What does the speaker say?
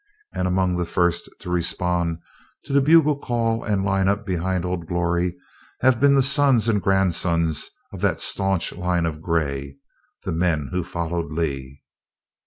And among the first to respond to the bugle call and line up behind "Old Glory" have been the sons and grandsons of that staunch line of Gray the men who followed Lee.